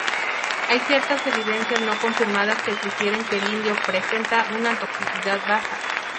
Hay ciertas evidencias no confirmadas que sugieren que el indio presenta una toxicidad baja.